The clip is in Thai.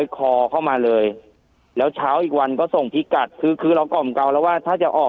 คอเข้ามาเลยแล้วเช้าอีกวันก็ส่งพิกัดคือคือเรากล่อมเกาแล้วว่าถ้าจะออก